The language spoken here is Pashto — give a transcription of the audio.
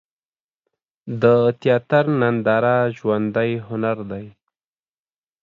د تیاتر ننداره ژوندی هنر دی.